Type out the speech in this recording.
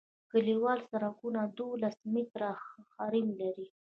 کلیوال سرکونه دولس متره حریم لري